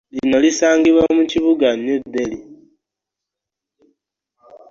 Lino lisangibwa mu kibuga New Delhi